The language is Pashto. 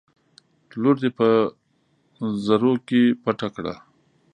لور دې په زرو کې پټه کړه.